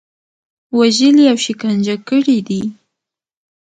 وژلي او شکنجه کړي دي.